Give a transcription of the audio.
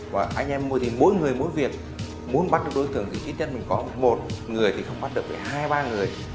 và anh em thì mỗi người mỗi việc muốn bắt được đối tượng thì ít nhất mình có một người thì không bắt được hai ba người